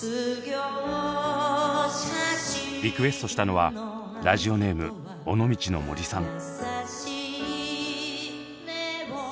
リクエストしたのはラジオネーム尾道のモリさん。